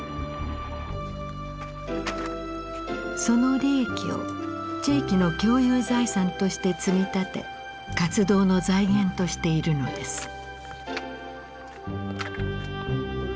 その利益を地域の共有財産として積み立て活動の財源としているのです。